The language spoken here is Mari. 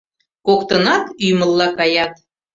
Коктынат ӱмылла каят.